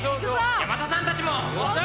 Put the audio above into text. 山田さんたちも！